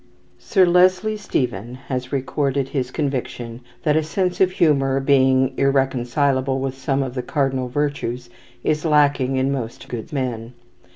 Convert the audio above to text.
Sir Leslie Stephen has recorded his conviction that a sense of humour, being irreconcilable with some of the cardinal virtues, is lacking in most good men.